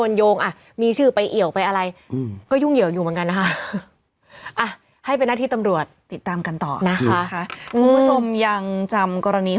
วิทยุโรนโยงอ่ะมีชื่อไปเหี่ยวไปอะไรก็ยุ่งเหี่ยวอยู่เหมือนกันนะคะ